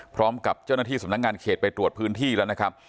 พร้อมกับเจ้าหน้าที่สำนักงานเขตไปตรวจพื้นที่แล้วนะครับ